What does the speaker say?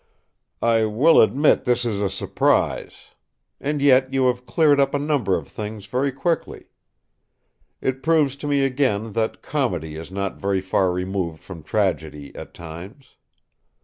"I will admit this is a surprise. And yet you have cleared up a number of things very quickly. It proves to me again that comedy is not very far removed from tragedy at times."